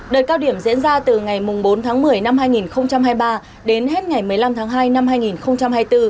đợt cao điểm diễn ra từ ngày bốn tháng một mươi năm hai nghìn hai mươi ba đến hết ngày một mươi năm tháng hai năm hai nghìn hai mươi bốn